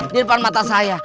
di depan mata saya